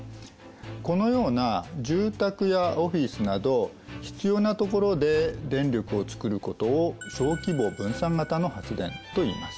このような住宅やオフィスなど必要なところで電力を作ることを「小規模分散型」の発電といいます。